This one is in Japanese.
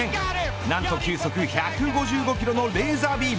なんと球速１５５キロのレーザービーム。